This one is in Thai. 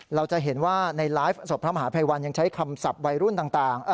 เราจะเห็นว่าในไลฟ์สดพระมหาภัยวันยังใช้คำศัพท์วัยรุ่นต่าง